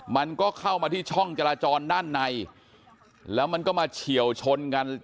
มันก็เข้ามาที่ช่องจราจรด้านในแล้วมันก็มาเฉียวชนกัน